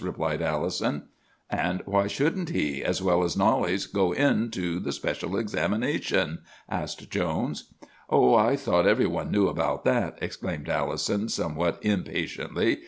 replied Allison. "'And why shouldn't he, as well as Knollys, go into the special examination?' asked Jones. "'Oh, I thought every one knew about that!' exclaimed Allison somewhat impatiently.